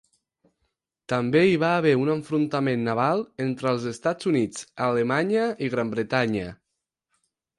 També hi va haver un enfrontament naval entre els Estats Units, Alemanya i Gran Bretanya.